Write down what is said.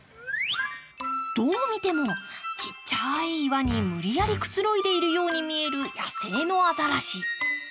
どう見てもちっちゃい岩に無理やりくつろいでいるように見える野生のアザラシ。